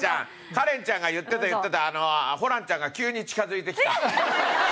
カレンちゃんが言ってた言ってた「ホランちゃんが急に近付いてきた」って。